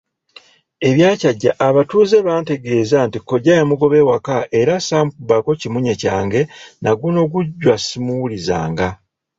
Ebya Kyajja, abatuuze bantegeeza nti kkojja yamugoba ewaka era ssaamukubako kimunye kyange nagunogujwa ssimuwulizanga.